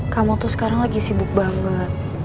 kamu tuh sekarang lagi sibuk banget